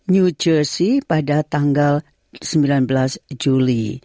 new jersey pada tanggal sembilan belas juli